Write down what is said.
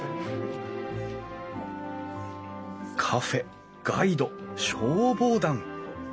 カフェガイド消防団。